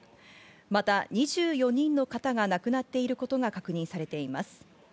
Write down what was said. また２４人の方が亡くなっていることが確認されています。